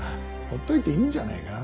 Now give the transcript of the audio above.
ほっといていいんじゃねえか。